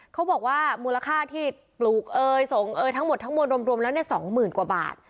เขาบอกว่ามูลค่าที่ปลูกส่งทั้งหมดรวมแล้วจะเป็น๒๐๐๐๐บาท